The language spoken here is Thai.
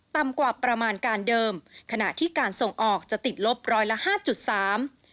ต่ำกว่าประมาณการเดิมขณะที่การส่งออกจะติดลบร้อยละห้าจุดสาม